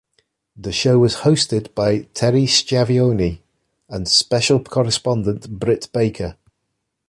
The show was hosted by Tony Schiavone and special correspondent Britt Baker.